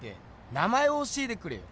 名前を教えてくれよ。